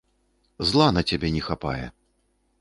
Зла на цябе не хапае.